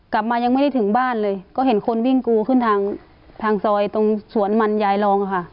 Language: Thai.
กลับมายังไม่ได้ถึงบ้านเลยก็เห็นคนวิ่งกูขึ้นทางทางซอยตรงสวนมันยายรองค่ะ